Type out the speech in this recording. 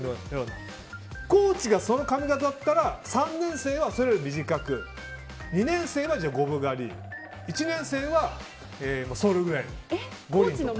コーチがその髪形だったら３年生はそれより短く２年生は５分刈り１年生はそるぐらいの。